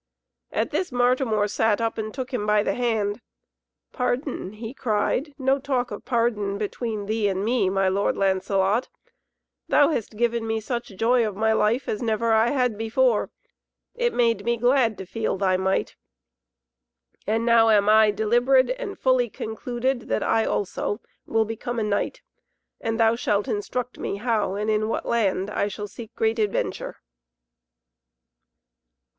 At this Martimor sat up and took him by the hand. "Pardon?" he cried. "No talk of pardon between thee and me, my Lord Lancelot! Thou hast given me such joy of my life as never I had before. It made me glad to feel thy might. And now am I delibred and fully concluded that I also will become a knight, and thou shalt instruct me how and in what land I shall seek great adventure."